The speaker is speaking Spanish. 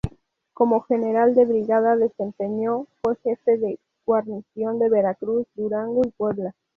Como general de brigada desempeñó fue jefe de guarnición de Veracruz, Durango y Puebla.